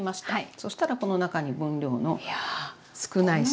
そしたらこの中に分量の少ない塩。